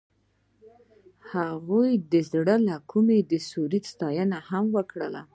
هغې د زړه له کومې د سرود ستاینه هم وکړه.